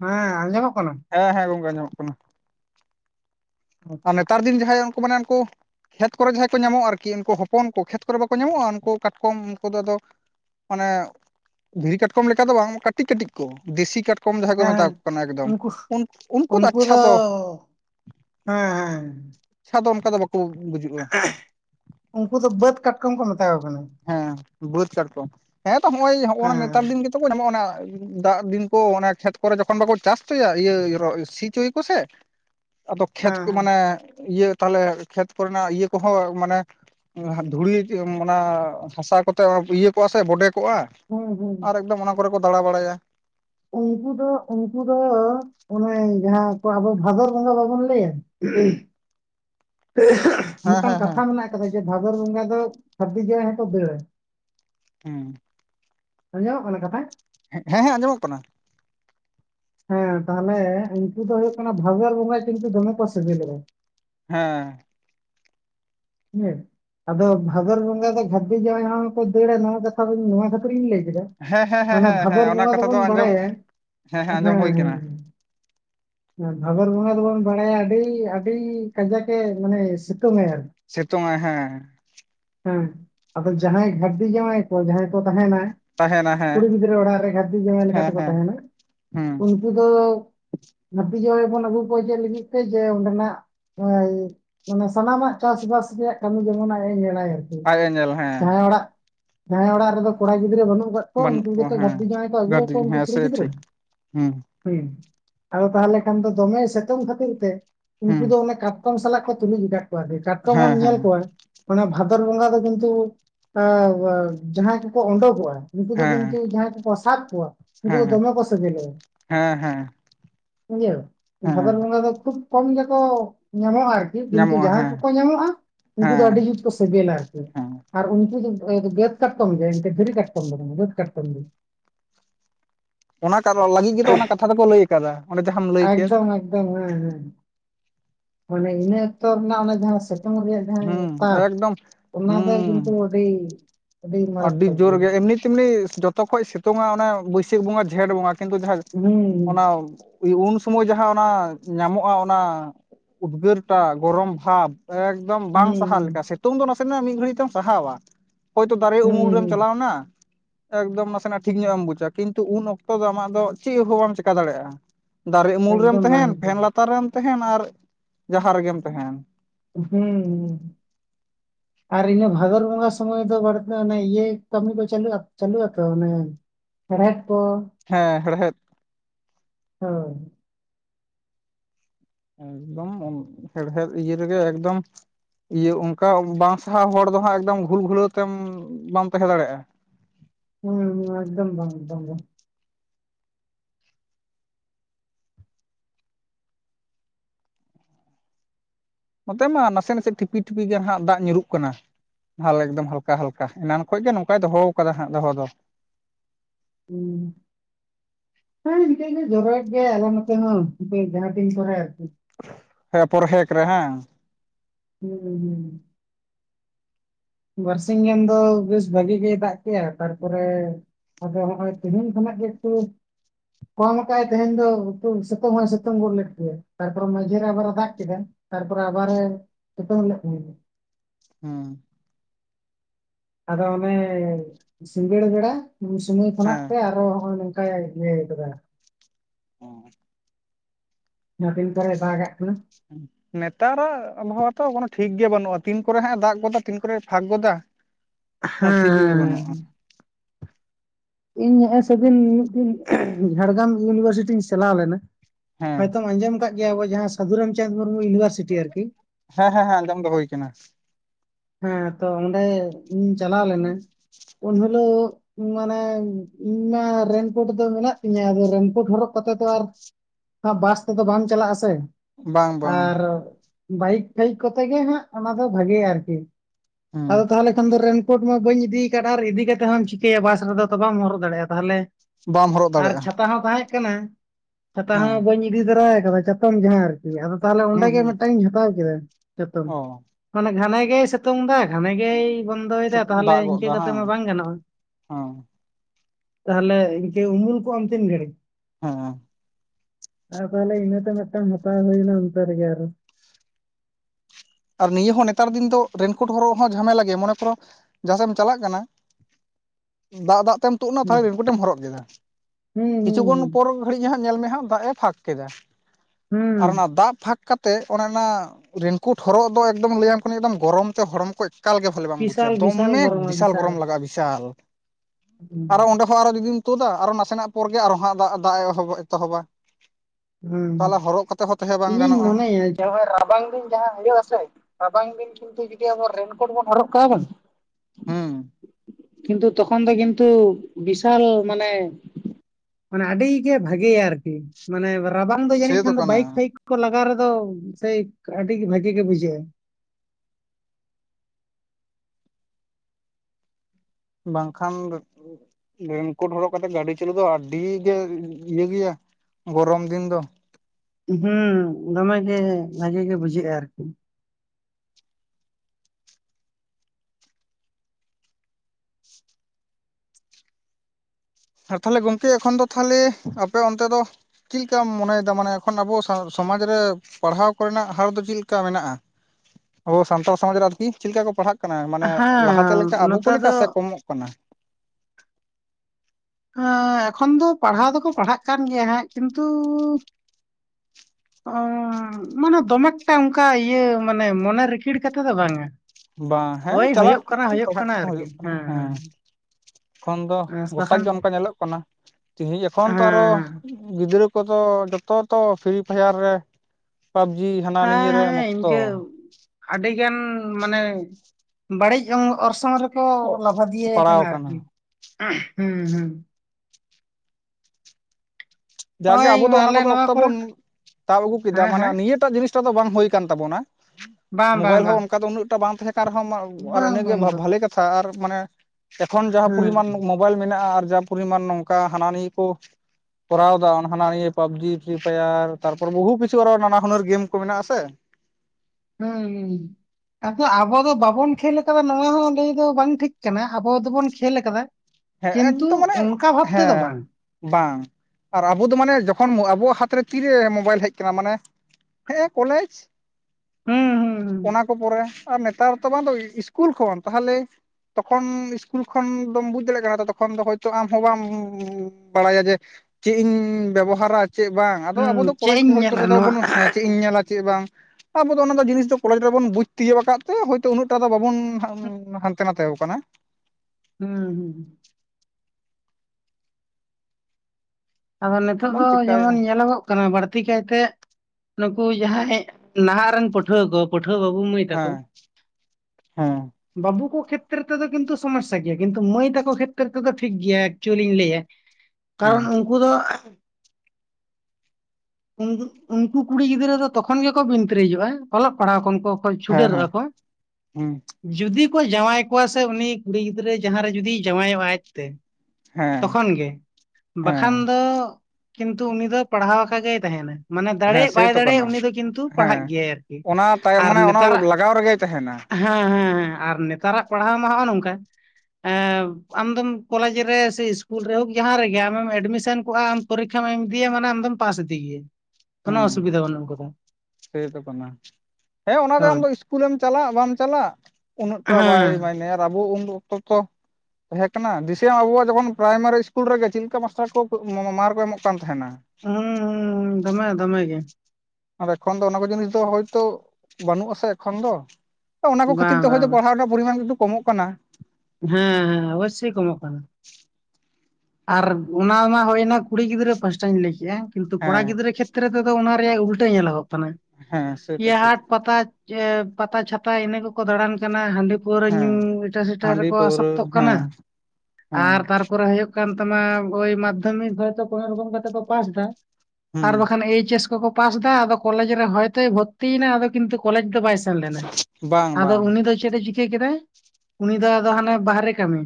ᱦᱮᱸ ᱟᱡᱚᱢᱚᱜ ᱠᱟᱱᱟ? ᱦᱮᱸ ᱦᱮᱸ ᱜᱚᱢᱠᱮ ᱟᱡᱚᱢᱚᱜ ᱠᱟᱱᱟ᱾ ᱟᱨ ᱟᱪᱪᱷᱟ ᱱᱮᱛᱟᱨ ᱫᱤᱱ ᱡᱟᱦᱟᱸᱭ ᱩᱱᱠᱩ ᱢᱟᱱᱮ ᱩᱱᱠᱩ ᱠᱷᱮᱛ ᱠᱚᱨᱮ ᱡᱟᱦᱟᱸᱭ ᱠᱚ ᱧᱟᱢᱚᱜᱼᱟ, ᱟᱨᱠᱤ ᱩᱱᱠᱩ ᱦᱚᱯᱚᱱ ᱠᱚ ᱠᱷᱮᱛ ᱠᱚᱨᱮ ᱵᱟᱠᱚ ᱧᱟᱢᱚᱜᱼᱟ, ᱩᱱᱠᱩ ᱠᱟᱴᱠᱚᱢ ᱩᱱᱠᱩ ᱫᱚ ᱟᱫᱚ ᱢᱟᱱᱮ ᱫᱷᱤᱨᱤ ᱠᱟᱴᱠᱚᱢ ᱞᱮᱠᱟ ᱫᱚ ᱵᱟᱝ ᱠᱟᱹᱴᱤᱡ ᱠᱟᱹᱴᱤᱡ ᱠᱚ ᱫᱮᱥᱤ ᱠᱟᱴ ᱠᱚᱢ ᱡᱟᱦᱟᱸᱭ ᱠᱚ ᱦᱮᱸ ᱢᱮᱛᱟ ᱦᱮᱸ ᱠᱚ ᱠᱟᱱᱟ ᱮᱠᱫᱚᱢ, ᱩᱱᱠᱩ ᱩᱱ ᱩᱱᱠᱩ ᱫᱚ ᱟᱪᱪᱷᱟ ᱫᱚ ᱦᱮᱸ ᱦᱮᱸᱸ ᱪᱷᱟ ᱫᱚ ᱚᱱᱠᱟ ᱫᱚ ᱵᱟᱠᱚ ᱵᱩᱡᱩᱜᱼᱟ᱾ ᱩᱱᱠᱩ ᱫᱚ ᱵᱟᱹᱫᱽ ᱠᱟᱴᱠᱚᱢ ᱠᱚ ᱢᱮᱛᱟ ᱠᱚ ᱠᱟᱱᱟ᱾ ᱦᱮᱸ ᱵᱟᱹᱫᱽ ᱠᱟᱴᱠᱚᱢ ᱦᱮᱸ ᱛᱚ ᱱᱚᱜᱼᱚᱭ ᱱᱚᱜ ᱱᱮᱛᱟᱨ ᱦᱮᱸ ᱫᱤᱱ ᱜᱮᱛᱚ ᱠᱚ ᱧᱟᱢᱚᱜᱼᱟ, ᱚᱱᱟ ᱫᱟᱜ ᱫᱤᱱ ᱠᱚ ᱚᱱᱮ ᱠᱷᱮᱛ ᱠᱚᱨᱮ ᱡᱚᱠᱷᱚᱱ ᱵᱟᱠᱚ ᱪᱟᱥ ᱦᱚᱪᱚᱭᱟ ᱤᱭᱟᱹ ᱨ ᱥᱤ ᱦᱚᱪᱚᱭᱟᱠᱚᱥᱮ ᱟᱫᱚ ᱠᱷᱮᱛ ᱠᱚ ᱦᱮᱸ ᱢᱟᱱᱮ ᱤᱭᱟᱹ ᱛᱟᱦᱚᱞᱮ ᱠᱷᱮᱛ ᱠᱚᱨᱮᱱᱟᱜ ᱤᱭᱟᱹ ᱠᱚᱦᱚᱸ ᱢᱟᱱᱮ ᱫᱷᱩᱲᱤ ᱚᱱᱟ ᱦᱟᱥᱟ ᱠᱚᱛᱮ ᱤᱭᱟᱹ ᱠᱚᱜᱼᱟ ᱥᱮ ᱵᱚᱰᱮ ᱠᱚᱜᱼᱟ, ᱦᱮᱸ ᱟᱨ ᱮᱠᱫᱚᱢ ᱚᱱᱟ ᱠᱚᱨᱮ ᱠᱚ ᱫᱟᱲᱟ ᱵᱟᱲᱟᱭᱟ᱾ ᱩᱱᱠᱩ ᱫᱚ ᱩᱱᱠᱩ ᱫᱚᱻ ᱚᱱᱮ ᱡᱟᱸᱦᱟ ᱠᱚ ᱟᱵᱚ ᱵᱷᱟᱫᱚᱨ ᱵᱚᱸᱜᱟ ᱵᱟᱵᱚᱱ ᱞᱟᱹᱭᱟ ᱦᱮᱸ ᱢᱤᱫᱴᱟᱹᱝ ᱦᱮᱸ ᱠᱟᱛᱷᱟ ᱦᱮᱸ ᱢᱮᱱᱟᱜ ᱠᱟᱫᱟ ᱡᱮ ᱵᱷᱟᱫᱚᱨ ᱵᱚᱸᱜᱟ ᱫᱚ ᱜᱷᱟᱨᱫᱤ ᱡᱟᱶᱟᱭ ᱦᱚᱸᱠᱚ ᱫᱟᱹᱲᱟ᱾ ᱦᱩᱸ ᱟᱸᱡᱚᱢᱚᱜ ᱠᱟᱱᱟ ᱠᱟᱛᱷᱟ? ᱦᱮᱸ ᱦᱮᱸ ᱟᱸᱡᱚᱢᱚᱜ ᱠᱟᱱᱟ᱾ ᱦᱮᱸ ᱛᱟᱦᱚᱞᱮ ᱩᱱᱠᱩ ᱫᱚ ᱦᱩᱭᱩᱜ ᱠᱟᱱᱟ ᱵᱷᱟᱹᱫᱚᱨ ᱵᱚᱸᱜᱟ ᱠᱤᱱᱛᱩ ᱫᱚᱢᱮ ᱠᱚ ᱥᱤᱵᱤᱞᱚᱜᱼᱟ᱾ ᱦᱮᱸ ᱦᱮᱸ ᱟᱫᱚ ᱵᱷᱟᱫᱚᱨ ᱵᱚᱸᱜᱟ ᱫᱚ ᱜᱷᱟᱨᱫᱤ ᱡᱟᱶᱟᱭ ᱦᱚᱸᱠᱚ ᱫᱟᱹᱲᱟ ᱱᱚᱣᱟ ᱠᱟᱛᱷᱟ ᱫᱚ ᱱᱚᱣᱟ ᱠᱷᱟᱹᱛᱤᱨᱤᱧ ᱞᱟᱹᱭ ᱠᱮᱫᱟ ᱦᱮᱸ ᱦᱮᱸ ᱦᱮᱸ ᱚᱱᱟ ᱦᱮᱸ ᱵᱷᱟᱫᱚᱨ ᱦᱮᱸ ᱚᱱᱟ ᱵᱚᱸᱜᱟ ᱠᱟᱛᱷᱟ ᱫᱚ ᱫᱚᱵᱚᱱ ᱟᱸᱡᱚᱢ ᱵᱟᱲᱟᱭᱟ ᱦᱮᱸ ᱦᱮᱸ ᱟᱸᱡᱚᱢ ᱦᱩᱭ ᱟᱠᱟᱱᱟ᱾ [unintelligible] ᱵᱷᱟᱫᱚᱨ ᱵᱚᱸᱜᱟ ᱫᱚᱵᱚᱱ ᱵᱟᱲᱟᱭᱟ ᱟᱹᱰᱤ ᱟᱹᱰᱤ ᱠᱟᱡᱟᱠᱮ ᱢᱟᱱᱮ ᱥᱤᱛᱩᱝᱼᱟᱭ ᱟᱨᱠᱤ᱾ ᱥᱤᱛᱩᱝ ᱟᱭ, ᱦᱮᱸ᱾ ᱦᱮᱸ ᱟᱫᱚ ᱡᱟᱦᱟᱸᱭ ᱜᱷᱟᱹᱨᱫᱤ ᱡᱟᱶᱟᱭ ᱠᱚ ᱡᱟᱦᱟᱸᱭ ᱠᱚ ᱛᱟᱸᱦᱮᱱᱟ ᱛᱟᱦᱮᱱᱟ ᱦᱮᱸ ᱠᱩᱲᱤ ᱜᱤᱫᱽᱨᱟᱹ ᱚᱲᱟᱜ ᱨᱮ ᱜᱷᱟᱹᱨᱫᱤ ᱡᱟᱶᱟᱭ ᱞᱮᱠᱟ ᱦᱮᱸ ᱛᱮᱠᱚ ᱦᱮᱸ ᱛᱟᱦᱮᱱᱟ, ᱦᱮᱸ ᱩᱱᱠᱩ ᱫᱚ ᱜᱷᱟᱹᱨᱫᱤ ᱡᱟᱶᱟᱭ ᱵᱚᱱ ᱟᱹᱜᱩ ᱠᱚᱣᱟ ᱪᱮᱫ ᱞᱟᱹᱜᱤᱫ ᱛᱮ ᱡᱮ ᱚᱸᱰᱮᱱᱟᱜ ᱚᱭ ᱚᱱᱮ ᱥᱟᱱᱟᱢᱟᱜ ᱪᱟᱥᱵᱟᱥ ᱨᱮᱭᱟᱜ ᱠᱟᱹᱢᱤ ᱡᱮᱢᱚᱱ ᱟᱭᱮ ᱧᱮᱞᱟᱭ ᱟᱨᱠᱤ, ᱟᱡ ᱮᱸᱜᱮᱞ ᱦᱮᱸ ᱡᱟᱦᱟᱸᱭ ᱚᱲᱟᱜ ᱡᱟᱸᱦᱟᱭ ᱚᱲᱟᱜ ᱨᱮᱫᱚ ᱠᱚᱲᱟ ᱜᱤᱫᱨᱟ ᱵᱟᱱᱩᱜ ᱠᱟᱜ ᱠᱚ ᱵᱟᱹᱱᱩᱜ ᱩᱱᱠᱩ ᱜᱮ ᱠᱚᱣᱟ ᱦᱮᱸ ᱜᱷᱟᱹᱨᱫᱤ ᱡᱟᱶᱟᱭ ᱠᱚ ᱟᱜᱩ ᱜᱟᱹᱫᱤ ᱟᱠᱚᱣᱟ ᱩᱱᱠᱩ ᱦᱮᱸ ᱠᱩᱲᱤ ᱥᱮ ᱜᱤᱫᱽᱨᱟᱹ᱾ ᱴᱷᱤᱠ ᱦᱩᱸ ᱦᱩᱭ ᱟᱫᱚ ᱛᱟᱦᱚᱞᱮ ᱠᱷᱟᱱ ᱫᱚ ᱫᱚᱢᱮ ᱥᱤᱛᱩᱝ ᱠᱷᱟᱹᱛᱤᱨ ᱛᱮ ᱦᱩᱸ ᱩᱱᱠᱩ ᱫᱚ ᱚᱱᱮ ᱠᱟᱴ ᱠᱟᱴᱠᱚᱢ ᱥᱟᱞᱟᱜ ᱠᱚ ᱛᱩᱞᱩ ᱡᱟᱠᱟᱫ ᱠᱚᱣᱟ, ᱠᱟᱴᱠᱚᱢ ᱦᱮᱸ ᱦᱚᱢ ᱦᱮᱸ ᱧᱮᱞ ᱠᱚᱣᱟ ᱚᱱᱮ ᱵᱷᱟᱫᱚᱨ ᱵᱚᱸᱜᱟ ᱫᱚ ᱠᱤᱱᱛᱩ ᱮᱸ ᱡᱟᱦᱟᱸᱭ ᱜᱮᱠᱚ ᱚᱰᱚᱜᱚᱜᱼᱟ ᱩᱱᱠᱩ ᱫᱚ ᱦᱮᱸ ᱠᱤᱱᱛᱩ ᱡᱟᱸᱦᱟ ᱠᱚᱠᱚ ᱥᱟᱵ ᱠᱚᱣᱟ ᱩᱱᱠᱩ ᱦᱮᱸ ᱫᱚ ᱫᱚᱢᱮ ᱠᱚ ᱥᱮᱵᱮᱞᱚᱜᱼᱟ᱾ ᱦᱮᱸ ᱦᱮᱸ ᱯᱩᱱᱤᱭᱟᱹ, ᱦᱮᱸ ᱵᱷᱟᱫᱚᱨ ᱵᱚᱸᱜᱟ ᱫᱚ ᱠᱷᱩᱵ ᱠᱚᱢ ᱜᱮᱠᱚ ᱧᱟᱢᱚᱜᱼᱟ ᱟᱨᱠᱤ, ᱠᱤᱱᱛᱩ ᱧᱟᱢᱚᱜᱼᱟ ᱡᱟᱦᱟᱸ ᱠᱚ ᱦᱮᱸ ᱠᱚ ᱧᱟᱢᱚᱜᱼᱟ ᱩᱱᱠᱩ ᱫᱚ ᱦᱮᱸ ᱟᱹᱰᱤ ᱥᱮᱵᱮᱞᱟ ᱟᱨ ᱠᱤ ᱦᱮᱸ ᱩᱱᱠᱩ ᱫᱚ ᱜᱮᱫ [unintelligible] ᱠᱟᱴᱠᱚᱢ ᱜᱮ ᱫᱷᱤᱨᱤ ᱠᱟᱴᱠᱚᱢ ᱫᱚ ᱵᱟᱝ ᱵᱟᱹᱫ ᱠᱟᱴᱠᱚᱢ ᱜᱮ᱾ ᱚᱱᱟ ᱠᱟᱨᱚᱱ ᱞᱟᱹᱜᱤᱫ ᱜᱮᱛᱚ ᱚᱱᱟ ᱠᱟᱛᱷᱟ ᱫᱚᱠᱚ ᱞᱟᱹᱭ ᱟᱠᱟᱫᱟ ᱚᱱᱰᱮ ᱡᱟᱸᱦᱟᱢ ᱮᱠᱫᱚᱢ ᱮᱠᱫᱚᱢ ᱦᱮᱸ ᱦᱮᱸ᱾ ᱢᱟᱱᱮ ᱤᱱᱟᱹ ᱚᱠᱛᱚ ᱨᱮᱱᱟᱜ ᱚᱱᱮ ᱡᱟᱦᱟᱸ ᱥᱤᱛᱩᱝ ᱨᱮᱭᱟᱜ ᱡᱟᱦᱟᱸ ᱦᱩᱸ ᱛᱟᱠ ᱮᱠᱫᱚᱢ ᱚᱱᱟ ᱫᱚ ᱦᱩᱸ ᱠᱤᱱᱛᱩᱼᱼ [unintelligible] ᱵ ᱟᱹᱰᱤ ᱡᱳᱨ ᱜᱮᱭᱟ ᱮᱢᱱᱤ ᱛᱮᱢᱱᱤ ᱡᱚᱛᱼᱼ ᱡᱚᱛᱚ ᱠᱷᱚᱱᱚᱡ ᱥᱤᱛᱳᱝᱼᱟ ᱚᱱᱮ ᱵᱟᱹᱭᱥᱟᱹᱠᱷ ᱵᱚᱸᱜᱟ ᱡᱷᱮᱸᱴ ᱵᱚᱸᱜᱟ ᱠᱤᱱᱛᱩ ᱡᱟᱦᱟᱸ ᱦᱩᱸ ᱚᱱᱟᱼᱼ ᱩᱱ ᱥᱚᱢᱚᱭ ᱡᱟᱦᱟᱸ ᱚᱱᱟ ᱧᱟᱢᱚᱜᱼᱟ ᱚᱱᱟ ᱩᱫᱽᱜᱟᱹᱨᱴᱟ ᱜᱚᱨᱚᱢ ᱵᱷᱟᱵᱽ, ᱮᱠᱫᱚᱢ ᱵᱟᱝ ᱥᱟᱦᱟᱜ ᱞᱮᱠᱟ ᱦᱩᱸ ᱥᱤᱛᱳᱝ ᱫᱚ ᱱᱟᱥᱮᱱᱟᱜ ᱢᱤᱫ ᱜᱷᱟᱹᱲᱤᱡ ᱛᱮᱢ ᱥᱟᱦᱟᱣᱟ᱾ ᱛᱚ ᱫᱟᱨᱮ ᱦᱩᱸ ᱩᱢᱩᱞ ᱦᱩᱸ ᱨᱮᱢ ᱪᱟᱞᱟᱣ ᱮᱱᱟᱼᱼ ᱮᱠᱫᱚᱢ ᱱᱟᱥᱮᱱᱟᱜ ᱴᱷᱤᱠ ᱧᱚᱜ ᱮᱢ ᱵᱩᱡᱟ ᱠᱤᱱᱛᱩ ᱩᱱ ᱚᱠᱛᱚ ᱫᱚ ᱟᱢᱟᱜ ᱫᱚ ᱪᱮᱫ ᱦᱚᱸ ᱵᱟᱢ ᱪᱤᱠᱟ ᱫᱟᱲᱮᱭᱟᱜᱼᱟ᱾ ᱫᱟᱨᱮ ᱩᱢᱩᱞ ᱨᱮᱢ ᱮᱠᱫᱚᱢ ᱵᱟᱝ ᱛᱟᱦᱮᱱ ᱯᱷᱮᱱ ᱮᱠᱫᱚᱢ ᱞᱟᱛᱟᱨ ᱨᱮᱢ ᱛᱟᱦᱮᱱ ᱟᱨ ᱡᱟᱦᱟᱸ ᱨᱮᱜᱮᱢ ᱛᱟᱦᱮᱱ᱾ ᱦᱩᱸ ᱦᱩᱸ [unintelligible] ᱟᱨ ᱤᱱᱟᱹ ᱵᱷᱟᱫᱚᱨ ᱵᱚᱸᱜᱟ ᱥᱚᱢᱚᱭ ᱫᱚ ᱵᱟᱹᱲ ᱚᱱᱮ ᱤᱭᱟᱹ ᱠᱟᱹᱢᱤ ᱠᱚ ᱪᱟᱞᱩ ᱟᱛᱚ ᱚᱱᱮᱼᱼ ᱦᱮᱲᱮᱫ ᱠᱚᱼᱼ ᱦᱮᱸ ᱦᱮᱲᱦᱮᱫ, ᱦᱳᱭ᱾ ᱮᱠᱫᱚᱢ ᱦᱮᱲᱦᱮᱫ ᱤᱭᱟᱹ ᱨᱮᱜᱮ ᱮᱠᱫᱚᱢᱼᱼ ᱤᱭᱟᱹ ᱚᱱᱠᱟ ᱵᱟᱝ ᱥᱟᱦᱟᱜ ᱦᱚᱲ ᱫᱚ ᱦᱟᱸᱜ ᱮᱠᱫᱚᱢ ᱜᱷᱩᱞ ᱜᱷᱩᱞᱟᱹ ᱛᱮᱢ ᱵᱟᱢ ᱛᱟᱦᱮᱸ ᱫᱟᱲᱮᱭᱟᱜᱼᱟ᱾ ᱦᱩᱸ ᱟᱠᱫᱚᱢ ᱵᱟᱝ᱾ ᱱᱚᱛᱮ ᱢᱟ ᱱᱟᱥᱮ ᱱᱟᱥᱮ ᱴᱷᱤᱯᱤ ᱴᱷᱤᱯᱤ ᱜᱟᱱ ᱦᱟᱸᱜ ᱫᱟᱜ ᱧᱩᱨᱩᱜ ᱠᱟᱱᱟ᱾ ᱵᱷᱟᱞ ᱮᱠᱫᱚᱢ ᱦᱟᱞᱠᱟ ᱦᱟᱞᱠᱟ ᱮᱱᱟᱱ ᱠᱷᱚᱱᱚᱡ ᱜᱮ ᱱᱚᱝᱠᱟᱭ ᱫᱚᱦᱚ ᱟᱠᱟᱫᱟ ᱦᱟᱸᱜ ᱫᱚᱦᱚ ᱫᱚ᱾ ᱦᱩᱸ᱾ ᱦᱮ ᱤᱱᱠᱟᱹ ᱜᱮ ᱡᱚᱨᱚᱭᱮᱫ ᱜᱮᱭᱟᱭ ᱟᱞᱮ ᱱᱚᱛᱮ ᱦᱚᱸ ᱡᱟᱦᱟᱸ ᱛᱤᱱ ᱠᱚᱨᱮᱫ᱾ ᱦᱮᱸ ᱯᱚᱨᱦᱮᱠ ᱨᱮ ᱦᱮᱸ, ᱦᱩᱸ ᱦᱩᱸ ᱦᱩᱸ ᱵᱟᱨᱥᱤᱧ ᱜᱟᱱ ᱫᱚ ᱵᱮᱥ ᱵᱷᱟᱜᱤ ᱜᱮᱭ ᱫᱟᱜ ᱠᱮᱭᱟ ᱛᱟᱨᱯᱚᱨᱮᱼᱼ ᱟᱫᱚ ᱱᱚᱜᱚᱭ ᱛᱮᱦᱮᱧ ᱠᱷᱚᱱᱟᱜ ᱜᱮ ᱮᱠᱴᱩᱼᱼ ᱠᱚᱢ ᱠᱟᱜᱟᱭ ᱛᱮᱦᱮᱧ ᱫᱚ ᱩᱛᱩ ᱥᱮᱛᱳᱝ ᱦᱚᱸᱭ ᱥᱮᱛᱳᱝ ᱜᱩᱫ ᱞᱮᱫ ᱠᱮᱭᱟ ᱛᱟᱨᱯᱚᱨᱮ ᱢᱟᱡᱷᱮᱨᱮ ᱟᱵᱟᱨ ᱨᱮ ᱫᱟᱜ ᱠᱮᱫᱟ᱾ ᱛᱟᱨᱯᱚᱨᱮ ᱟᱵᱟᱨ ᱮ ᱥᱮᱛᱳᱝ ᱞᱮᱫ ᱜᱮᱭᱟ᱾ ᱦᱩᱸ᱾ ᱟᱫᱚ ᱚᱱᱮ ᱥᱤᱸᱜᱟᱹᱲ ᱵᱮᱲᱟ ᱩᱱ ᱥᱚᱢᱚᱭ ᱦᱮᱸ ᱠᱷᱚᱱᱟᱜ ᱛᱮ ᱟᱨᱚ ᱦᱚᱸᱜ-ᱚᱭ ᱱᱚᱝᱼᱼ ᱟᱭᱟ ᱮ ᱤᱭᱟᱹ ᱟᱠᱟᱫᱟ᱾ ᱚᱻ ᱟᱹᱰᱤ ᱫᱤᱱ ᱯᱚᱨᱮ ᱫᱟᱜ ᱟᱫ ᱵᱚᱱᱟ᱾ ᱱᱮᱛᱟᱨᱟᱜ ᱟᱵᱚᱦᱟᱣᱟ ᱛᱚ ᱠᱚᱱᱳ ᱴᱷᱤᱠ ᱜᱮ ᱵᱟᱹᱱᱩᱜᱼᱟ ᱛᱤᱱ ᱠᱚᱨᱮ ᱦᱟᱸᱜ ᱫᱟᱜ ᱜᱚᱫᱟ ᱛᱤᱱ ᱠᱚᱨᱮ ᱯᱷᱟᱸᱠ ᱜᱚᱫᱟ᱾ ᱴᱷᱤᱠ ᱜᱮ ᱦᱮᱸ ᱵᱟᱹᱱᱩᱜ-ᱟ᱾ ᱤᱧ ᱱᱮᱜ-ᱮ ᱥᱮᱫᱤᱱ ᱢᱤᱫ ᱫᱤᱱ ᱡᱷᱟᱲᱜᱨᱟᱢ ᱤᱭᱩᱱᱤᱵᱷᱟᱨᱥᱤᱴᱤᱧ ᱪᱟᱞᱟᱣ ᱞᱮᱱᱟ, ᱦᱮᱸ ᱦᱚᱭᱛᱚᱢ ᱟᱸᱡᱚᱢ ᱠᱟᱫ ᱜᱮᱭᱟ ᱟᱵᱚ ᱥᱟᱹᱫᱷᱩ ᱨᱟᱢᱪᱟᱸᱫᱽ ᱢᱩᱨᱢᱩ ᱤᱭᱩᱱᱤᱵᱷᱟᱨᱥᱤᱴᱤ ᱟᱨᱠᱤ᱾ ᱦᱮᱸ ᱦᱮᱸ ᱦᱮᱸ ᱟᱸᱡᱚᱢ ᱫᱚ ᱦᱳᱭ ᱠᱟᱱᱟ᱾ ᱦᱮᱸ ᱛᱚ ᱚᱸᱰᱮ ᱤᱧ ᱪᱟᱞᱟᱣ ᱞᱮᱱᱟᱧ ᱩᱱᱦᱳᱞᱳᱜᱼᱼ ᱢᱟᱱᱮ ᱤᱧ ᱢᱟ ᱨᱮᱱᱠᱳᱴ ᱫᱚ ᱢᱮᱱᱟᱜ ᱛᱤᱧᱟᱹ ᱟᱫᱚ ᱨᱮᱱᱠᱳᱴ ᱦᱚᱨᱚᱜ ᱠᱟᱛᱮ ᱫᱚ ᱟᱨᱼᱼ ᱵᱟᱥ ᱛᱮᱫᱚ ᱵᱟᱢ ᱪᱟᱞᱟᱜ-ᱟ ᱥᱮ᱾ ᱵᱟᱝ ᱵᱟᱝ ᱟᱨ ᱵᱟᱭᱤᱠ ᱯᱷᱟᱭᱤᱠ ᱠᱚᱛᱮ ᱜᱮ ᱦᱟᱸᱜ ᱚᱱᱟ ᱫᱚ ᱵᱷᱟᱜᱮ ᱟᱨᱠᱤ᱾ ᱦᱮᱸ ᱟᱫᱚ ᱛᱟᱦᱞᱮ ᱠᱷᱟᱱ ᱫᱚ ᱨᱮᱱᱼᱼ ᱠᱳᱴ ᱢᱟ ᱵᱟᱹᱧ ᱤᱫᱤᱠᱟᱫ ᱟᱨ ᱤᱫᱤ ᱠᱟᱛᱮᱫ ᱦᱚᱸᱢ ᱪᱤᱠᱟᱹᱭᱟ ᱵᱟᱥ ᱨᱮᱫᱚ ᱛᱚ ᱵᱟᱢ ᱦᱚᱨᱚᱜ ᱫᱟᱲᱮᱭᱟᱜ-ᱟ ᱛᱟᱦᱞᱮᱼᱼ ᱵᱟᱢ ᱦᱚᱨᱚᱜ ᱟᱨ ᱫᱟᱲᱮᱭᱟᱜᱼᱟ ᱪᱷᱟᱛᱟ ᱦᱚᱸ ᱛᱟᱦᱮᱸᱜ ᱠᱟᱱᱟ ᱪᱷᱟᱛᱟ ᱦᱚᱸ ᱦᱮᱸ ᱵᱟᱹᱧ ᱤᱫᱤ ᱛᱟᱨᱟᱣ ᱠᱟᱫᱟ ᱪᱟᱛᱚᱢ ᱡᱟᱦᱟᱸ ᱟᱨᱠᱤ᱾ ᱴᱷᱤᱠ ᱟᱫᱚ ᱛᱟᱦᱞᱮ ᱚᱸᱰᱮ ᱦᱩᱸ ᱜᱮ ᱦᱩᱸ ᱢᱤᱫᱴᱟᱝ ᱤᱧ ᱦᱟᱛᱟᱣ ᱠᱮᱫᱟ ᱪᱟᱛᱚᱢ, ᱚ ᱢᱟᱱᱮ ᱜᱷᱟᱱᱮ ᱜᱮ ᱥᱮ ᱛᱩᱝ ᱫᱟᱭ ᱜᱷᱟᱱᱮ ᱜᱮᱭ ᱵᱚᱱᱫᱚᱭᱮᱫᱟ, ᱛᱟᱦᱞᱮ ᱫᱟᱜ ᱜᱚᱫ ᱤᱱᱠᱟᱹ ᱫᱟ ᱠᱟᱛᱮ ᱦᱟᱝ ᱢᱟ ᱵᱟᱝ ᱜᱟᱱᱚᱜ-ᱟ᱾ ᱦᱮᱸ ᱛᱟᱦᱞᱮ ᱤᱱᱠᱟᱹ ᱩᱢᱩᱞ ᱠᱚᱜ-ᱟᱢ ᱛᱤᱱ ᱜᱷᱟᱹᱲᱤᱡ᱾ ᱦᱮᱸ᱾ ᱟᱨ ᱛᱟᱦᱞᱮ ᱤᱱᱟᱹ ᱛᱮ ᱢᱮᱱᱴᱮᱝ ᱦᱟᱛᱟᱣ ᱦᱩᱭᱮᱱᱟ ᱟᱱᱛᱮ ᱨᱮᱜᱮ ᱟᱨᱚ᱾ ᱟᱨ ᱱᱤᱭᱟᱹ ᱦᱚᱸ ᱱᱮᱛᱟᱨ ᱫᱤᱱ ᱫᱚ ᱨᱮᱱᱠᱳᱴ ᱦᱚᱨᱚᱜ ᱦᱚᱸ ᱡᱷᱟᱢᱮᱞᱟ ᱜᱮ, ᱢᱚᱱᱮ ᱠᱚᱨᱚ ᱡᱟᱦᱟᱸᱥᱮᱜ ᱮᱢ ᱪᱟᱞᱟᱜ ᱠᱟᱱᱟ᱾ ᱫᱟᱜ ᱫᱟᱜ ᱛᱮᱢ ᱛᱩᱫ ᱱᱟ ᱦᱩᱸ ᱛᱟᱦᱞᱮ ᱨᱮᱱᱠᱩᱴᱮᱢ ᱦᱚᱨᱚᱜ ᱠᱮᱫᱟ, ᱦᱩᱸ ᱦᱩᱸ ᱠᱤᱪᱷᱩ ᱠᱷᱚᱱ ᱦᱩᱸ ᱯᱚᱨ ᱜᱷᱟᱹᱲᱤᱡ ᱦᱟᱜ ᱧᱮᱞ ᱢᱮ ᱦᱟᱜ ᱫᱟᱜ ᱮ ᱯᱷᱟᱸᱠ ᱠᱮᱫᱟ, ᱟᱨ ᱦᱩᱸ ᱚᱱᱟ ᱫᱟᱜ ᱯᱷᱟᱸᱠ ᱠᱟ ᱛᱮ ᱚᱱᱟ ᱨᱮᱱᱟᱜ ᱨᱮᱱᱠᱳᱴ ᱦᱚᱨᱚᱜ ᱫᱚ ᱮᱠᱫᱚᱢ ᱞᱟᱹᱭᱟᱢ ᱠᱟᱹᱱᱟᱧ ᱮᱠᱫᱚᱢ ᱜᱚᱨᱚᱢ ᱛᱮ ᱦᱚᱲᱢᱚ ᱠᱚ ᱮᱠᱟᱞ ᱜᱮ ᱵᱷᱟᱞᱮ ᱵᱟᱢ ᱵᱩᱡᱟ ᱵᱤᱥᱟᱞ ᱵᱤᱥᱟᱞ ᱫᱚᱢᱢᱮ ᱜᱚᱨᱚᱢᱟ ᱵᱤᱥᱟᱞ ᱜᱚᱨᱚᱢ ᱞᱟᱜᱟᱜ-ᱟ ᱵᱤᱥᱟᱞ, ᱟᱨᱚ ᱦᱮᱸ ᱚᱸᱰᱮ ᱦᱚᱸ ᱟᱨᱚ ᱡᱩᱫᱤᱢ ᱛᱩᱫᱟ ᱟᱨᱚ ᱱᱟᱥᱮᱱᱟᱜ ᱯᱚᱨ ᱜᱮ ᱟᱨᱚ ᱦᱟᱸᱜ ᱫᱟᱜ ᱫᱟᱜ ᱮ ᱮᱛᱚᱦᱚᱵᱟ᱾ ᱛᱟᱦᱚᱞᱮ ᱦᱚᱨᱚᱜ ᱠᱟᱛᱮ ᱦᱚᱸ ᱛᱟᱦᱮᱸ ᱵᱟᱝ ᱜᱟᱱᱚᱜ-ᱟ᱾ ᱮ ᱦᱚᱜ-ᱚᱭ ᱨᱟᱵᱟᱝ ᱫᱤᱱ ᱡᱟᱦᱟᱸ ᱦᱩᱭᱩᱜ-ᱟ ᱥᱮ ᱨᱟᱵᱟᱝ ᱫᱤᱱ ᱠᱤᱱᱛᱩ ᱡᱩᱫᱤ ᱟᱵᱚ ᱨᱮᱱᱠᱳᱴ ᱵᱚᱱ ᱦᱚᱨᱚᱜ ᱠᱟᱜ-ᱟ ᱵᱟᱝ᱾ ᱦᱩᱸ᱾ ᱠᱤᱱᱛᱩ ᱛᱚᱠᱷᱚᱱ ᱫᱚ ᱠᱤᱱᱛᱩ ᱵᱤᱥᱟᱞ ᱢᱟᱱᱮ ᱢᱟᱱᱮ ᱟᱹᱰᱤ ᱜᱮ ᱵᱷᱟᱜᱮᱭᱟ ᱟᱨᱠᱤ᱾ ᱢᱟᱱᱮ ᱨᱟᱵᱟᱝ ᱫᱚ ᱥᱮ ᱡᱟᱹᱱᱤᱡ ᱛᱚ ᱠᱷᱟᱱ ᱠᱟᱱᱟ ᱵᱟᱭᱤᱠ ᱯᱦᱟᱭᱤᱠ ᱠᱚ ᱞᱟᱜᱟᱣ ᱨᱮᱫᱚ ᱥᱮᱭ ᱟᱹᱰᱤ ᱜᱤ ᱵᱷᱟᱜᱤ ᱜᱮ ᱵᱩᱡᱷᱟᱹᱜ-ᱟ᱾ ᱵᱟᱝᱠᱷᱟᱱ ᱫᱚ ᱨᱮᱱᱠᱳᱴ ᱦᱚᱨᱚᱜ ᱠᱟᱛᱮᱫ ᱜᱟᱹᱰᱤ ᱪᱟᱹᱞᱩ ᱫᱚ ᱟᱹᱰᱤ ᱜᱮ ᱤᱭᱟᱹ ᱜᱮᱭᱟ ᱜᱚᱨᱚᱢ ᱫᱤᱱ ᱫᱚ᱾ ᱩᱸᱦᱩᱸ ᱫᱚᱢᱮ ᱜᱮ ᱵᱷᱟᱜᱮ ᱜᱮ ᱵᱩᱡᱷᱟᱹᱜ-ᱟ ᱟᱨᱠᱤ᱾ ᱟᱨ ᱛᱦᱟᱞᱮ ᱜᱚᱝᱠᱮ ᱮᱠᱷᱚᱱ ᱫᱚ ᱛᱷᱟᱞᱮ ᱟᱯᱮ ᱚᱱᱛᱮ ᱫᱚ᱾ ᱪᱤᱱ ᱞᱤᱠᱟᱢ ᱢᱚᱱᱮᱭᱮᱫᱟ ᱢᱟᱱᱮ ᱮᱠᱷᱚᱱ ᱟᱵᱚ ᱥᱟ ᱥᱚᱢᱟᱡᱽ ᱨᱮ ᱯᱟᱲᱦᱟᱣ ᱠᱚᱨᱮᱱᱟᱜ ᱦᱟᱨ ᱫᱚ ᱪᱮᱫ ᱞᱮᱠᱟ ᱢᱮᱱᱟᱜ-ᱟ, ᱟᱵᱚ ᱥᱟᱱᱛᱟᱲ ᱥᱚᱢᱟᱡᱽ ᱨᱮ ᱟᱨᱠᱤ ᱪᱮᱫ ᱞᱮᱠᱟ ᱠᱚ ᱯᱟᱲᱦᱟᱜ ᱠᱟᱱᱟ ᱢᱟᱱᱮ ᱦᱮᱸ ᱞᱟᱦᱟᱛᱮ ᱞᱮᱠᱟ ᱟᱵᱩ ᱠᱩ ᱱᱚᱛᱮ ᱞᱮᱠᱟ ᱫᱚ ᱥᱮ ᱠᱚᱢᱚᱜ ᱠᱟᱱᱟ? ᱦᱟ ᱮᱠᱷᱚᱱ ᱫᱚ ᱯᱟᱲᱦᱟᱣ ᱫᱚᱠᱚ ᱯᱟᱲᱦᱟᱜ ᱠᱟᱱ ᱜᱮᱭᱟ ᱦᱟᱸᱜ, ᱠᱤᱱᱛᱩ [inaudible] ᱚ ᱢᱟᱱᱮ ᱫᱚᱢᱮ ᱮᱠᱴᱟ ᱚᱝᱠᱟ ᱤᱭᱟᱹ ᱢᱟᱱᱮ ᱢᱚᱱᱮ ᱨᱤᱠᱷᱤᱲ ᱠᱟᱛᱮ ᱫᱚ ᱵᱟᱝᱟ᱾ ᱵᱟᱝ ᱦᱮᱸ ᱳᱭ ᱪᱟᱞᱟᱜ ᱦᱳᱭᱳᱜ ᱠᱟᱱᱟ ᱠᱟᱹᱱᱟᱹᱧ ᱦᱳᱭᱳᱜ ᱯᱟᱲᱦᱟᱜ ᱠᱟᱱᱟ ᱠᱚ ᱟᱨᱠᱤ ᱦᱩᱭᱩᱜ ᱠᱟᱱᱟ ᱦᱮᱸ᱾ ᱠᱷᱚᱱ ᱫᱚ ᱟᱸᱥ ᱜᱚᱴᱟ ᱵᱟᱠᱷᱟᱱ ᱡᱚᱢ ᱠᱚ ᱧᱮᱞᱚᱜ ᱠᱟᱱᱟ ᱛᱤᱦᱤᱧ ᱮᱠᱷᱚᱱ ᱛᱚ ᱟᱨᱚ ᱦᱮᱸ ᱜᱤᱫᱽᱨᱟᱹ ᱠᱚᱫᱚ ᱡᱚᱛᱚ ᱛᱚ ᱯᱷᱨᱤ ᱯᱷᱟᱭᱟᱨ ᱨᱮ ᱯᱟᱵᱡᱤ ᱦᱟᱱᱟ ᱱᱤᱭᱟᱹ ᱨᱮ ᱢᱚᱠᱛᱚ᱾ ᱟᱹᱰᱤ ᱜᱟᱱ ᱢᱟᱱᱮ ᱵᱟᱹᱲᱤᱡ ᱚᱝ ᱚᱨᱥᱚᱝ ᱨᱮ᱾ ᱠᱚ ᱞᱟᱵᱷᱟ ᱫᱤᱭᱟᱹ ᱯᱟᱲᱟᱣ ᱠᱟᱱᱟ ᱟᱨᱠᱤ, ᱟᱠᱟᱱᱟ ᱦᱩᱸ ᱦᱩᱸ᱾ ᱡᱟᱜᱮ ᱦᱳᱭ ᱟᱵᱚ ᱫᱚ ᱚᱱᱟ ᱟᱞᱮ ᱠᱚᱫᱚ ᱱᱚᱣᱟ ᱚᱠᱛᱚ ᱠᱚᱨᱮ ᱵᱚᱱ ᱛᱟᱵ ᱟᱹᱜᱩ ᱠᱮᱫᱟ, ᱦᱮᱸ ᱢᱟᱱᱮ ᱦᱮᱸ ᱱᱤᱭᱟᱹ ᱴᱟᱜ ᱡᱤᱱᱤᱥ ᱴᱟᱜ ᱫᱚ ᱵᱟᱝ ᱦᱩᱭ ᱠᱟᱱ ᱛᱟᱵᱚᱱᱟ᱾ ᱵᱟᱝ ᱵᱟᱝ ᱢᱳᱵᱟᱭᱤᱞ ᱦᱚᱸ ᱵᱟᱝ ᱚᱝᱠᱟ ᱫᱚ ᱩᱱᱟᱹᱜ ᱴᱟᱜ ᱵᱟᱝ ᱛᱟᱦᱮᱸ ᱠᱟᱱ ᱨᱮᱦᱚᱸ ᱟᱨ ᱵᱟᱝ ᱤᱱᱟᱹᱜᱮ ᱵᱟᱝ ᱵᱟᱝ ᱵᱷᱟᱞᱮ ᱠᱟᱛᱷᱟ, ᱟᱨ ᱢᱟᱱᱮ ᱮᱠᱷᱚᱱ ᱡᱟᱦᱟ ᱦᱮᱸ ᱯᱚᱨᱤᱢᱟᱱ ᱢᱳᱵᱟᱭᱤᱞ ᱢᱮᱱᱟᱜ-ᱟ ᱟᱨ ᱡᱟ ᱯᱚᱨᱤᱢᱟᱱ ᱱᱚᱝᱠᱟ ᱦᱟᱱᱟ ᱱᱤᱭᱟᱹ ᱠᱚ᱾ ᱠᱚᱨᱟᱣ ᱫᱟ ᱦᱟᱱᱟ ᱱᱤᱭᱟᱹ ᱯᱟᱵᱡᱤ ᱯᱷᱨᱤ ᱯᱷᱟᱭᱟᱨ ᱛᱟᱨᱯᱚᱨ ᱵᱚᱦᱩ ᱠᱤᱪᱷᱩ ᱟᱨᱚ ᱱᱟᱱᱟ ᱦᱩᱱᱟᱹᱨ ᱜᱮᱢ ᱠᱚ ᱢᱮᱱᱟᱜ-ᱟ ᱥᱮ᱾ ᱦᱩᱸ ᱦᱩᱸ᱾ ᱟᱫᱚ ᱟᱵᱚ ᱫᱚ ᱵᱟᱵᱚᱱ ᱠᱷᱮᱞ ᱟᱠᱟᱫᱟ ᱱᱚᱣᱟ ᱦᱚᱸ ᱞᱟᱹᱭ ᱫᱚ ᱵᱟᱝ ᱴᱷᱤᱠ ᱠᱟᱱᱟ ᱟᱵᱚ ᱫᱚᱵᱚᱱ ᱠᱷᱮᱞ ᱠᱟᱫᱟ᱾ ᱦᱮᱸ ᱠᱤᱱᱛᱩ ᱮᱠᱫᱚᱢ ᱢᱟᱱᱮ ᱚᱱᱠᱟ ᱵᱷᱟᱵ ᱛᱮᱫᱚ ᱦᱮᱸ ᱵᱟᱝ᱾ ᱵᱟᱝ ᱟᱨ ᱟᱵᱚ ᱫᱚ ᱢᱟᱱᱮ ᱡᱚᱠᱷᱚᱱ ᱟᱵᱚᱣᱟᱜ ᱦᱟᱛᱨᱮ ᱛᱤᱨᱮ ᱢᱳᱵᱟᱭᱤᱞ ᱦᱮᱡ ᱠᱟᱱᱟ, ᱢᱟᱱᱮ ᱦᱮᱸᱜ-ᱮ ᱠᱚᱞᱮᱡᱽ ᱦᱩᱸ ᱦᱩᱸ ᱚᱱᱟ ᱠᱚ ᱯᱚᱨᱮ᱾ ᱟᱨ ᱱᱮᱛᱟᱨ ᱛᱚ ᱵᱟᱝ ᱫᱚ ᱤᱥᱠᱩᱞ ᱠᱷᱚᱱ ᱛᱟᱦᱚᱞᱮ ᱛᱚᱠᱷᱚᱱ ᱤᱥᱠᱩᱞ ᱠᱷᱚᱱ ᱫᱚᱢ ᱵᱩᱡᱽ ᱫᱟᱲᱮᱜ ᱠᱟ ᱱᱟ ᱛᱚᱠᱷᱚᱱ ᱫᱚ ᱦᱚᱭᱛᱚ ᱟᱢ ᱦᱚᱸ ᱵᱟᱢ ᱵᱟᱲᱟᱭᱟ ᱡᱮ ᱪᱮᱜ ᱤᱧ ᱵᱮᱵᱚᱦᱟᱨᱟ᱾ ᱪᱮᱫ ᱵᱟᱝ ᱟᱫᱚ ᱦᱩᱸ ᱟᱵᱚ ᱫᱚ ᱦᱩᱸ ᱪᱮᱫ ᱠᱚᱞᱮᱡᱽ ᱤᱧ ᱧᱮᱞᱟ ᱦᱚᱭᱛᱚᱨᱮ ᱫᱚ ᱱᱚᱣᱟ ᱵᱚᱱ ᱦᱮᱸᱪ ᱪᱮᱫ ᱤᱧ ᱧᱮᱞᱟ ᱪᱮᱫ ᱵᱟᱝ᱾ ᱟᱵᱚ ᱫᱚ ᱚᱱᱟ ᱫᱚ ᱡᱤᱱᱤᱥ ᱫᱚ ᱠᱚᱞᱮᱡᱽ ᱨᱮᱵᱚᱱ ᱵᱩᱡᱽ ᱛᱤᱭᱳᱜ ᱟᱠᱟᱫ ᱛᱮ ᱦᱳᱭᱛᱚ ᱩᱱᱟᱹᱜ ᱴᱟ ᱫᱚ ᱵᱟᱵᱚᱱ [unintelligible] ᱦᱟᱱᱛᱮ ᱱᱟᱛᱮᱣ ᱠᱟᱱᱟ᱾ ᱦᱩᱸ ᱦᱩᱸᱦᱩᱸ᱾ ᱟᱫᱚ ᱱᱤᱛᱷᱚᱜ ᱟᱫᱚᱢ ᱫᱚ ᱪᱤᱠᱟᱭᱟ ᱡᱮᱢᱚᱱ ᱧᱮᱞᱚᱜᱚᱜ ᱠᱟᱱᱟ ᱵᱟᱹᱲᱛᱤ ᱠᱟᱭᱛᱮ ᱱᱩᱠᱩ ᱡᱟᱦᱟᱸᱭ ᱱᱟᱦᱟᱜ ᱨᱮᱱ ᱯᱟᱹᱴᱷᱩᱣᱟᱹ ᱠᱚ ᱯᱟᱴᱷᱟᱹᱣᱟᱹ ᱵᱟᱹᱵᱩ ᱢᱟᱹᱭ ᱛᱟᱠᱚ᱾ ᱦᱮᱸ ᱦᱮᱸ ᱵᱟᱹᱩ ᱠᱚ ᱠᱷᱮᱛᱨᱮ ᱛᱮᱫᱚ ᱠᱤᱱᱛᱩ ᱥᱚᱢᱚᱥᱥᱟ ᱜᱤᱭᱟ ᱠᱤᱱᱛᱩ ᱢᱟᱹᱭ ᱛᱟᱠᱚ ᱠᱷᱮᱛᱨᱮ ᱛᱮᱫᱚ ᱴᱷᱤᱠ ᱜᱤᱭᱟ ᱮᱠᱪᱩᱭᱮᱞᱤᱧ ᱞᱟᱹᱭᱟ᱾ [inaudible] ᱠᱟᱨᱚᱱ ᱩᱱᱠᱩ ᱫᱚ-ᱼ ᱩᱱᱠᱩ ᱩᱱᱠᱩ ᱠᱩᱲᱤ ᱜᱤᱫᱽᱨᱟᱹ ᱫᱚ ᱛᱚᱠᱷᱚᱱ ᱜᱮᱠᱚ ᱵᱤᱱᱛᱤᱨᱤᱡᱚᱜᱼᱟ ᱚᱞᱚᱜ ᱯᱟᱲᱦᱟᱣ ᱠᱷᱚᱱ ᱠᱚ ᱠᱷᱚᱚᱭ ᱦᱮᱸ ᱪᱷᱩᱰᱟᱹᱨᱚᱜ-ᱟ ᱦᱮᱸ ᱠᱚ ᱦᱩᱸ ᱡᱩᱫᱤ ᱠᱚ ᱡᱟᱶᱟᱭ ᱠᱚᱣᱟ ᱥᱮ ᱩᱱᱤ ᱠᱩᱲᱤ ᱜᱤᱫᱽᱨᱟᱹ ᱡᱟᱦᱟᱸ ᱨᱮ ᱡᱩᱫᱤᱭ ᱡᱟᱶᱟᱭᱚᱜᱟᱭ ᱟᱡ ᱛᱮ ᱦᱮᱸ ᱛᱚᱠᱷᱚᱱ ᱜᱮ᱾ ᱵᱟᱠᱷᱟᱱ ᱦᱮᱸ ᱫᱚ ᱠᱤᱱᱛᱩ ᱩᱱᱤ ᱫᱚᱭ ᱯᱟᱲᱦᱟᱣᱠᱟᱵ ᱜᱮ ᱛᱟᱦᱮᱱᱟᱭ᱾ ᱢᱟᱱᱮ ᱦᱮᱸ ᱫᱟᱲᱮᱜ ᱵᱟᱭ ᱥᱮᱭᱛᱚ ᱫᱟᱲᱮᱭᱮᱜ ᱠᱟᱱᱟ ᱩᱱᱤ ᱫᱚ ᱠᱤᱱᱛᱩ ᱯᱟᱲᱦᱟᱜ ᱦᱮᱸ ᱜᱮᱭᱟᱭ ᱟᱨᱠᱤ ᱚᱱᱟ ᱛᱟᱭᱚᱢ ᱟᱨ ᱢᱟᱱᱮ ᱚᱱᱟ ᱱᱮᱛᱟᱨᱟᱜ ᱞᱟᱜᱟᱣ ᱨᱮᱜᱮᱭ ᱛᱟᱦᱮᱱᱟ ᱦᱮᱸ ᱦᱮᱸ ᱦᱮᱸ ᱟᱨ ᱱᱮᱛᱟᱨᱟᱜ ᱯᱟᱲᱦᱟᱣ ᱢᱟ ᱦᱚᱸᱜ-ᱚ ᱱᱚᱝᱠᱟ᱾ [inaudible] ᱮᱸ ᱟᱢᱫᱚᱢ ᱠᱚᱞᱮᱡᱽ ᱨᱮ ᱥᱮ ᱤᱥᱠᱩᱞ ᱨᱮ ᱦᱳᱠ ᱡᱟᱦᱟᱸ ᱨᱮᱜᱮ ᱟᱢᱮᱢ ᱮᱰᱢᱤᱥᱮᱱ ᱠᱚᱜᱼᱟ ᱟᱢ᱾ ᱯᱚᱨᱤᱠᱠᱷᱟᱢ ᱮᱢ ᱤᱫᱤᱭᱟ ᱢᱟᱱᱮ ᱟᱢᱫᱚᱢ ᱯᱟᱥ ᱤᱫᱤᱜᱤᱭᱟ ᱠᱚᱱᱳ ᱚᱥᱩᱵᱤᱫᱟ ᱵᱟᱹᱱᱩᱜ ᱟᱠᱟᱫᱟ᱾ ᱥᱮᱹᱭ ᱛᱚ ᱠᱟᱱᱟ᱾ ᱦᱮᱸ ᱚᱱᱟ ᱫᱚ ᱟᱢ ᱦᱳᱭ ᱫᱚ ᱤᱥᱠᱩᱞᱮᱢ ᱪᱟᱞᱟᱜ ᱵᱟᱢ ᱪᱟᱞᱟᱜ᱾ ᱩᱱᱟᱹᱜᱴᱟ ᱵᱟᱭ ᱦᱮᱸ ᱱᱚᱱᱱᱭᱟ ᱟᱨ ᱟᱵᱚ ᱩᱱ ᱚᱠᱛᱚ ᱛᱚ ᱛᱟᱦᱮᱸ ᱠᱟᱱᱟ ᱫᱤᱥᱟᱹᱭᱟᱢ ᱟᱵᱚᱣᱟᱜ ᱡᱮᱢᱚᱱ ᱯᱨᱟᱭᱢᱟᱨᱤ ᱤᱥᱠᱩᱞ ᱨᱮᱜᱮ ᱪᱤᱫ ᱞᱤᱠᱟ ᱢᱟᱥᱴᱟᱨ ᱠᱚ ᱢᱟ ᱢᱟᱨ ᱮᱢᱚᱜ ᱠᱟᱱ ᱛᱟᱦᱤᱱᱟ᱾ ᱦᱩᱸ ᱦᱩᱸ ᱫᱚᱢᱮ ᱫᱚᱢᱮ ᱜᱮ᱾ ᱟᱨ ᱮᱠᱷᱚᱱ ᱫᱚ ᱚᱱᱟ ᱠᱚ ᱡᱤᱱᱤᱥ ᱫᱚ ᱦᱚᱭᱛᱳ ᱵᱟᱹᱱᱩᱜ ᱟ ᱥᱮ ᱮᱠᱷᱚᱱ ᱫᱚ᱾ ᱛᱚ ᱚᱱᱟ ᱠᱚ ᱠᱷᱟᱹᱛᱤᱨ ᱵᱟᱝ ᱛᱮ ᱵᱟᱝ ᱦᱚᱭᱛᱚ ᱵᱟᱝ ᱯᱟᱲᱦᱟᱣ ᱨᱮᱱᱟᱜ ᱯᱚᱨᱤᱢᱟᱱ ᱠᱤᱛᱩ ᱠᱚᱢᱚᱜ ᱠᱟᱱᱟ᱾ ᱦᱮᱸ ᱦᱮᱸ ᱚᱵᱚᱥᱟᱹᱭ ᱠᱚᱢᱚᱜ ᱠᱟᱱᱟ᱾ ᱟᱨ ᱚᱱᱟ ᱢᱟ ᱦᱩᱭ ᱱᱟ ᱠᱩᱲᱤ ᱜᱤᱫᱽᱨᱟᱹ ᱯᱟᱥᱴᱟᱧ ᱞᱟᱹᱭ ᱠᱮᱜ-ᱟ᱾ ᱠᱤᱱᱛᱩ ᱠᱚᱲᱟ ᱦᱮᱸ ᱜᱤᱫᱽᱨᱟᱹ ᱠᱷᱮᱛᱨᱮ ᱛᱮᱫᱚ ᱚᱱᱟ ᱨᱮᱭᱟᱜ ᱩᱞᱴᱟᱹ ᱧᱮᱞᱚᱜᱚᱜ ᱠᱟᱱᱟ᱾ ᱦᱮᱸ ᱥᱮᱛᱚ ᱤᱭᱟᱹ ᱴᱷᱤᱠ ᱦᱟᱴ ᱯᱟᱛᱟ-ᱼ ᱮᱸ ᱯᱟᱛᱟ ᱪᱷᱟᱛᱟ ᱤᱱᱟᱹ ᱠᱚᱠᱚ ᱫᱟᱬᱟᱱ ᱠᱟᱱᱟ᱾ ᱦᱟᱺᱰᱤ ᱯᱟᱹᱣᱨᱟ ᱧᱩ ᱦᱮᱸ ᱤᱴᱟ ᱥᱤᱴᱟ ᱦᱟᱺᱰᱤ ᱨᱮᱠᱚ ᱯᱟᱹᱣᱨᱟᱹ ᱟᱥᱚᱠᱛᱚᱜ ᱠᱟᱱᱟ ᱦᱮᱸ ᱦᱮᱸ ᱟᱨ ᱛᱟᱨᱯᱚᱨᱮ ᱦᱳᱭᱳᱜ ᱠᱟᱱ ᱛᱟᱢᱟ ᱵᱳᱭ ᱢᱟᱫᱽᱫᱷᱚᱢᱤᱠ ᱦᱚᱭᱛᱚ ᱠᱳᱱᱳ ᱨᱚᱠᱚᱢ ᱠᱟᱛᱮ ᱠᱚ ᱯᱟᱥ ᱫᱟ ᱦᱩᱸ ᱟᱨ ᱵᱟᱠᱷᱟᱱ ᱮᱭᱤᱪ ᱮᱥ ᱫᱚᱠᱚ ᱯᱟᱥ ᱫᱟ ᱟᱫᱚ ᱠᱚᱞᱮᱡᱽ ᱨᱮ ᱦᱚᱭᱛᱚᱭ ᱵᱷᱚᱛᱛᱤᱭᱮᱱᱟ ᱟᱫᱚ ᱠᱤᱱᱛᱩ ᱠᱚᱞᱮᱡᱽ ᱫᱚ ᱵᱟᱭ ᱥᱮᱱ ᱞᱮᱱᱟᱭ᱾ ᱵᱟᱝ ᱟᱫᱚ ᱵᱟᱝ ᱩᱱᱤ ᱫᱚ ᱪᱮᱫ ᱮ ᱪᱤᱠᱟᱹ ᱠᱮᱫᱟᱭ? ᱩᱱᱤ ᱫᱚ ᱟᱫᱚ ᱦᱟᱱᱮ ᱵᱟᱦᱨᱮ ᱠᱟᱹᱢᱤ᱾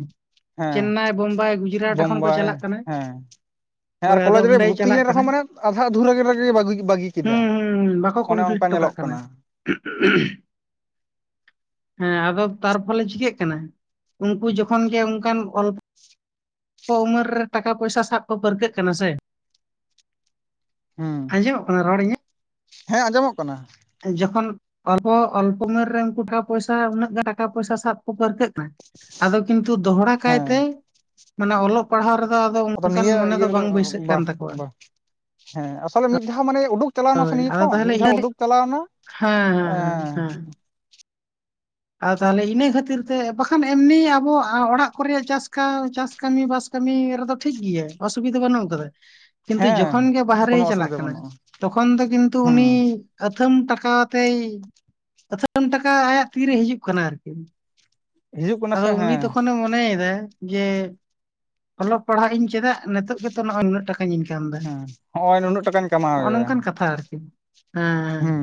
ᱪᱮᱱᱱᱟᱭ, ᱵᱳᱢᱵᱟᱭ, ᱜᱩᱡᱽᱨᱟᱴ᱾ ᱮᱠᱷᱚᱱ ᱠᱚ ᱵᱟᱭ ᱪᱟᱞᱟᱜ ᱠᱟᱱᱟ ᱦᱮᱸ᱾ ᱦᱮᱸ ᱦᱳᱭ ᱟᱨ ᱟᱫᱚ ᱠᱚᱞᱮᱡᱽ ᱨᱮ ᱚᱸᱰᱮᱭ ᱪᱟᱞᱟᱜ ᱵᱷᱚᱛᱛᱤᱭᱮᱱ ᱠᱟᱱᱟ ᱨᱮᱦᱚᱸ ᱢᱟᱱᱮ ᱟᱫᱷᱟ ᱟᱫᱷᱩᱨᱟᱹ ᱨᱮᱜᱮ ᱵᱟ, ᱹᱜᱤ ᱵᱟᱹᱜᱤ ᱠᱮᱫᱟ᱾ ᱦᱩᱸ ᱦᱩᱸ ᱵᱟᱠᱚ ᱚᱱᱮ ᱠᱚᱢᱯᱞᱤᱴ ᱚᱱᱠᱟ ᱦᱚᱴᱚ ᱠᱟᱜ ᱧᱮᱞᱚᱜ ᱠᱟᱱᱟ᱾ [inaudible] ᱦᱮᱸ ᱟᱫᱚ ᱛᱟᱨᱯᱷᱚᱞᱮ ᱪᱤᱠᱟᱹᱜ ᱠᱟᱱᱟ? ᱩᱱᱠᱩ ᱡᱚᱠᱷᱚᱱ ᱜᱮ ᱚᱱᱠᱟᱱ ᱚᱞ ᱠᱚ ᱩᱢᱮᱨ ᱨᱮ ᱴᱟᱠᱟ ᱯᱚᱭᱥᱟ ᱥᱟᱵ ᱠᱚ ᱯᱟᱹᱨᱠᱟᱹᱜ ᱠᱟᱱᱟ ᱥᱮ᱾ ᱦᱩᱸ ᱟᱸᱡᱚᱢᱚᱜ ᱠᱟᱱᱟ ᱨᱚᱲ ᱤᱧᱟᱹᱜ? ᱦᱮᱸ ᱟᱸᱡᱚᱢᱚᱜ ᱠᱟᱱᱟ᱾ ᱡᱚᱠᱷᱚᱱ ᱚᱞᱯᱚ ᱚᱞᱯᱚ ᱩᱢᱮᱨ ᱨᱮ ᱩᱱᱠᱩ ᱴᱟᱠᱟ ᱯᱚᱭᱥᱟ ᱩᱱᱟᱹᱜ ᱜᱟᱱ ᱴᱟᱠᱟ ᱯᱚᱭᱥᱟ ᱥᱟᱵ ᱠᱚ ᱯᱟᱹᱨᱠᱟᱹᱜ ᱟᱭ᱾ ᱟᱫᱚ ᱠᱤᱱᱛᱩ ᱫᱚᱦᱲᱟ ᱠᱟᱭᱛᱮ ᱦᱮᱸ ᱢᱟᱱᱮ ᱚᱞᱚᱜ ᱯᱟᱲᱦᱟᱣ ᱨᱮᱫᱚ ᱟᱫᱚ ᱚᱱᱠᱟᱱ ᱱᱤᱭᱟᱹ ᱢᱚᱱᱮ ᱤᱭᱟᱹ ᱫᱚ ᱨᱮᱫᱚ ᱵᱟᱝ ᱵᱟᱹᱭᱥᱟᱹᱜ ᱵᱟ ᱠᱟᱱ ᱛᱟᱠᱚᱣᱟ᱾ ᱵᱟ ᱦᱮᱸ ᱟᱥᱚᱞᱮ ᱢᱤᱫ ᱫᱷᱟᱣ ᱢᱟᱱᱮ ᱩᱰᱩᱠ ᱪᱟᱞᱟᱣᱱᱟ ᱦᱳᱭ ᱱᱤᱛ ᱟᱫᱚ ᱦᱚᱸ ᱛᱟᱦᱚᱞᱮ ᱢᱤᱫ ᱤᱧ ᱫᱷᱟᱣ ᱦᱮᱸ ᱩᱰᱩᱠ ᱪᱟᱞᱟᱣᱱᱟ ᱦᱮᱸ ᱦᱮᱸ ᱦᱮᱸ ᱦᱮᱸᱻᱦᱮᱸ ᱟᱨ ᱛᱟᱦᱚᱞᱮ ᱤᱱᱟᱹ ᱠᱷᱟᱹᱛᱤᱨ ᱛᱮ ᱵᱟᱠᱷᱟᱱ ᱮᱢᱱᱤ ᱟᱵᱚ ᱚᱲᱟᱜ ᱠᱚᱨᱮ ᱪᱟᱥ ᱪᱟᱥ ᱠᱟᱹᱢᱤ ᱵᱟᱥ ᱠᱟᱹᱢᱤ ᱨᱮᱫᱚ ᱴᱷᱤᱠ ᱜᱮᱭᱟ ᱚᱥᱩᱵᱤᱫᱷᱟ ᱵᱟᱹᱱᱩᱜ ᱟᱠᱟᱫᱟ ᱠᱤᱱᱛᱩ ᱦᱮᱸ ᱡᱚᱠᱷᱚᱱ ᱜᱮ ᱵᱟᱦᱨᱮᱭ ᱠᱳᱱᱳ ᱪᱟᱞᱟᱜ ᱚᱥᱩᱵᱤᱫᱷᱟ ᱠᱟᱱᱟ ᱵᱟᱹᱱᱩᱜᱼᱟ ᱛᱚᱠᱷᱚᱱ ᱫᱚ ᱠᱤᱱᱛᱩ ᱩᱱᱤ ᱦᱮᱸ ᱟᱹᱛᱷᱟᱢ ᱴᱟᱠᱟ ᱟᱛᱮᱭ ᱟᱹᱛᱷᱟᱢ ᱴᱟᱠᱟ ᱟᱭᱟᱜ ᱛᱤᱨᱮᱭ ᱦᱤᱡᱩᱜ ᱠᱟᱱᱟ ᱟᱨ ᱠᱤ᱾ ᱦᱤᱡᱩᱜ ᱠᱟᱱᱟ ᱟᱫᱚ ᱥᱮ ᱩᱱᱤ ᱦᱮᱸ ᱛᱚᱠᱷᱚᱱᱮ ᱢᱚᱱᱮᱭᱮᱫᱟᱭ ᱡᱮ ᱚᱞᱚᱜ ᱯᱟᱲᱦᱟᱜ ᱤᱧ ᱪᱮᱫᱟᱜ ᱱᱤᱛᱚᱜ ᱜᱮᱛᱚ ᱱᱚᱜᱼᱚᱭ ᱱᱩᱱᱟᱹᱜ ᱴᱟᱠᱟᱧ ᱦᱮᱸ ᱦᱚᱜᱼᱚᱭ ᱱᱩᱱᱟᱹᱜ ᱴᱟᱠᱟᱧ ᱠᱟᱢᱟᱣ [unintelligible] ᱮᱫᱟ ᱱᱚᱝᱠᱟᱱ ᱠᱟᱛᱷᱟ ᱟᱨᱠᱤ ᱦᱮᱸᱮᱸ ᱦᱮᱸ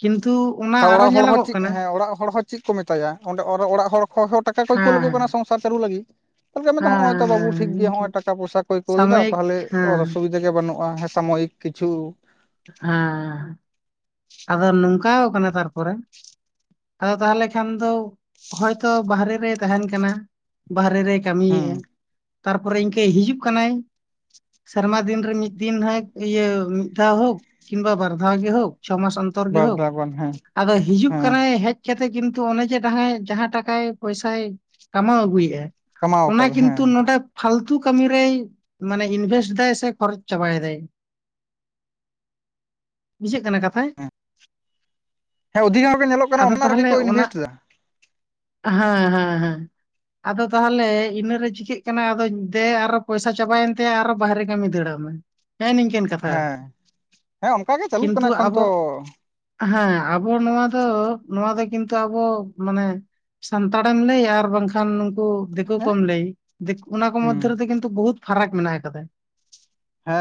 ᱠᱤᱱᱛᱩ ᱚᱱᱟ ᱟᱨᱚ ᱚᱲᱟᱜ ᱦᱚᱲ ᱦᱚᱸ ᱧᱮᱞᱚᱜᱚᱜ ᱪᱮᱫ ᱠᱟᱱᱟ ᱦᱮᱸ ᱚᱲᱟᱜ ᱦᱚᱲ ᱦᱚᱸ ᱪᱮᱫ ᱠᱚ ᱢᱮᱛᱟᱭᱟ ᱚᱸᱰᱮ ᱚᱲᱟᱜ ᱦᱚᱲ ᱠᱚᱦᱚᱸ ᱴᱟᱠᱟ ᱠᱚᱭ ᱠᱩᱞ ᱠᱩ ᱠᱟᱱᱟ ᱦᱮᱸ ᱥᱚᱝᱥᱟᱨ ᱪᱟᱹᱞᱩ ᱞᱟᱹᱜᱤᱫ᱾ ᱛᱟᱦᱚᱞᱮ ᱦᱮᱸ ᱦᱮᱸ ᱢᱮᱫᱟ ᱦᱚᱸᱜᱼᱚᱭ ᱛᱚ ᱵᱟᱵᱩ ᱦᱮᱸ ᱦᱮᱸ, ᱴᱷᱤᱠ ᱜᱮᱭᱟ ᱤᱧ ᱱᱚᱭ ᱴᱟᱠᱟ ᱯᱚᱭᱥᱟ ᱠᱩᱠ ᱮᱫᱟ ᱥᱟᱢᱚᱭᱤᱠ ᱛᱟᱦᱚᱞᱮ ᱦᱮᱸ ᱚᱥᱩᱵᱤᱫᱷᱟ ᱛᱮᱜᱮ ᱵᱟᱹᱱᱩᱜᱼᱟ ᱦᱮᱸ ᱥᱟᱢᱚᱭᱤᱠ ᱠᱤᱪᱷᱩ ᱦᱮᱸ ᱟᱫᱚ ᱱᱚᱝᱠᱟ ᱠᱟᱱᱟ ᱛᱟᱨᱯᱚᱨᱮ᱾ ᱟᱫᱚ ᱛᱟᱦᱚᱞᱮ ᱠᱷᱟᱱ ᱫᱚ ᱦᱚᱭᱛᱚ ᱵᱟᱦᱨᱮ ᱨᱮ ᱛᱟᱦᱮᱱ ᱠᱟᱱᱟ ᱵᱟᱦᱨᱮ ᱦᱮᱸ ᱠᱟᱹᱢᱤᱭᱮᱜᱼᱟ ᱛᱟᱨᱯᱚᱨᱮ ᱤᱱᱠᱟᱹ ᱦᱤᱡᱩᱜ ᱠᱟᱱᱟᱭ ᱥᱮᱨᱢᱟ ᱫᱤᱱ ᱨᱮ ᱢᱤᱫ ᱫᱤᱱ ᱦᱮᱠ ᱤᱭᱟᱹ ᱢᱤᱫ ᱫᱷᱟᱣ ᱦᱚ ᱠᱤᱢᱵᱟ ᱵᱟᱨ ᱫᱷᱟᱣ ᱜᱮ ᱦᱚᱠ᱾ ᱪᱷᱚ ᱢᱟᱥ ᱚᱱᱛᱚᱨ ᱜᱮ ᱵᱟᱨ ᱦᱚᱠ ᱫᱷᱟᱣ ᱜᱟᱱ ᱦᱮᱸ ᱟᱫᱚ ᱦᱤᱡᱩᱜ ᱦᱮᱸ ᱠᱟᱱᱟᱭ ᱦᱮᱡ [unintelligible] ᱠᱤᱱᱛᱩ ᱚᱱᱮ ᱡᱮ ᱡᱟᱦᱟᱸ ᱡᱟᱦᱟᱸ ᱴᱟᱠᱟᱭ ᱯᱚᱭᱥᱟᱭ ᱠᱟᱢᱟᱣ ᱟᱹᱜᱩᱭᱮᱜᱼᱟ ᱠᱟᱢᱟᱣ ᱚᱱᱟ ᱠᱟᱫᱟ ᱠᱤᱱᱛᱩ ᱦᱮᱸ ᱱᱚᱰᱮ ᱯᱷᱟᱞᱛᱩ ᱠᱟᱹᱢᱤ ᱨᱮᱭ ᱢᱟᱱᱮ ᱤᱱᱵᱷᱮᱥᱴ ᱫᱟᱭ ᱥᱮ ᱠᱷᱚᱨᱚᱪ ᱪᱟᱵᱟᱭ ᱫᱟᱭ ᱵᱩᱡᱷᱟᱹᱜ ᱠᱟᱱᱟ ᱠᱟᱛᱷᱟᱭ᱾ ᱦᱮᱸ ᱚᱱᱟ [inaudible] ᱦᱮᱸ ᱦᱮᱸ ᱦᱮᱸ ᱟᱫᱚ ᱛᱟᱦᱚᱞᱮ ᱤᱱᱟᱹᱨᱮ ᱪᱤᱠᱟᱹᱜ ᱠᱟᱱᱟ ᱟᱫᱚ ᱫᱮ ᱟᱨᱚ ᱯᱚᱭᱥᱟ ᱪᱟᱵᱟᱭᱮᱱ ᱛᱟᱭᱟ ᱟᱨᱚ ᱵᱟᱦᱨᱮ ᱠᱟᱹᱢᱤ ᱫᱟᱹᱲ ᱟᱜ ᱢᱮ ᱾ [unintelligible] ᱦᱮᱸ ᱦᱮᱸ ᱚᱱᱠᱟ ᱜᱮ ᱪᱟᱹᱞᱩᱜ ᱠᱤᱱᱛᱩ ᱠᱟᱱᱟ ᱮᱠᱷᱚᱱ ᱟᱵᱚ ᱛᱚ᱾ ᱦᱮᱸ ᱟᱵᱚ ᱱᱚᱣᱟ ᱫᱚ᱾ ᱱᱚᱣᱟ ᱫᱚ ᱠᱤᱱᱛᱩ ᱟᱵᱚ ᱢᱟᱱᱮ ᱥᱟᱱᱛᱟᱲᱮᱢ ᱞᱟᱹᱭᱟ ᱟᱨ ᱵᱟᱝᱠᱷᱟᱱ ᱫᱤᱠ ᱫᱤᱠᱩ ᱦᱮᱸ ᱠᱚᱢ ᱞᱟᱹᱭᱤᱠ ᱚᱱᱟ ᱠᱚ ᱦᱩᱸ ᱢᱚᱫᱽᱫᱷᱮ ᱨᱮᱫᱚ ᱠᱤᱱᱛᱩ ᱵᱚᱦᱩᱛ ᱯᱷᱟᱨᱟᱠ ᱢᱮᱱᱟᱜ ᱟᱠᱟᱫᱟ᱾ ᱦᱮᱸ